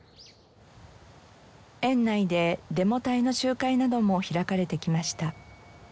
園内でデモ隊の集会なども開かれてきました。